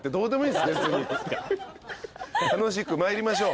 楽しく参りましょう。